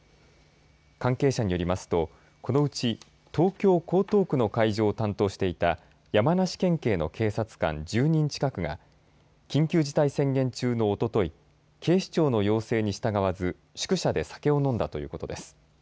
関係者によりますとこのうち東京、江東区の会場を担当していた山梨県警の警察官１０人近くが緊急事態宣言中のおととい、警視庁の要請に従わず宿舎で酒を飲んだということです。